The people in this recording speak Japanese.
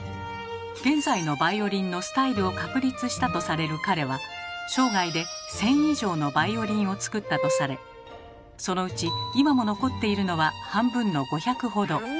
現在のバイオリンのスタイルを確立したとされる彼は生涯で１，０００以上のバイオリンを作ったとされそのうち今も残っているのは半分の５００ほど。